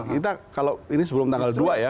kita kalau ini sebelum tanggal dua ya